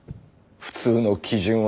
「普通」の基準は？